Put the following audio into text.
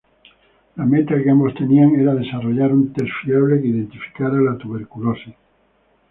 La meta que ambos tenían era desarrollar un test fiable que identificara la tuberculosis.